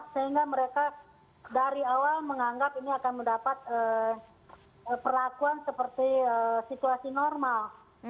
sehingga mereka dari awal menganggap ini akan mendapat perlakuan seperti situasi normal